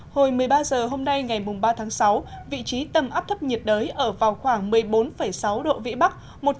hồi một mươi ba h hôm nay ngày ba tháng sáu vị trí tâm áp thấp nhiệt đới ở vào khoảng một mươi bốn sáu độ vĩ bắc